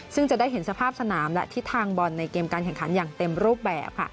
ซึ่งจะได้เห็นสภาพสนามและทิศทางบอลในเกมการแข่งขันอย่างเต็มรูปแบบค่ะ